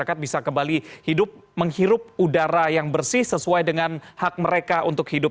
masyarakat bisa kembali hidup menghirup udara yang bersih sesuai dengan hak mereka untuk hidup